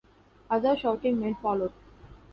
Other shouting men followed.